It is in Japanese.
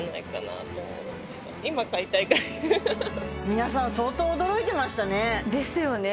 皆さん相当驚いてましたねですよね